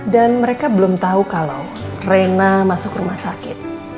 dan mereka belum tahu kalau rena masuk rumah sakit